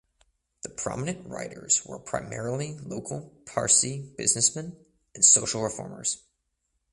The prominent writers were primarily local Parsee businessmen and social reformers.